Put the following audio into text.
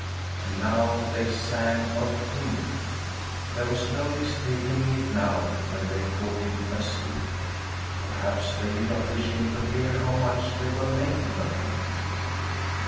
And now they sang of him there was no mistaking it now, when they thought him asleep. Perhaps they did not wish him to hear how much they were making of him.